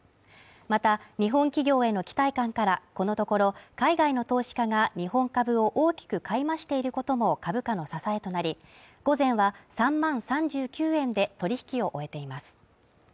また、日本企業への期待感から、このところ海外の投資家が日本株を大きく買い増していることも株価の支えとなり午前は３万３９円で取引を終えています。